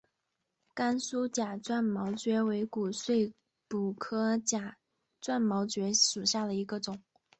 甘肃假钻毛蕨为骨碎补科假钻毛蕨属下的一个种。